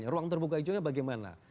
ruang terbuka hijaunya bagaimana